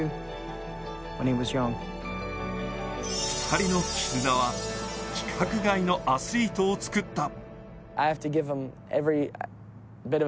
２人の絆は、規格外のアスリートを作った。